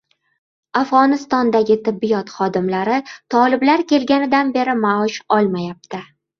Afg‘onistondagi tibbiyot xodimlari toliblar kelganidan beri maosh olmayapti.